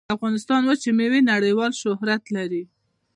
د افغانستان وچې میوې نړیوال شهرت لري